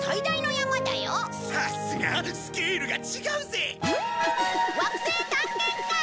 さすがスケールが違うぜ！